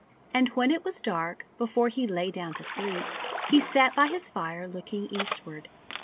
And when it was dark, before he lay down to sleep, he sat by his fire looking eastward.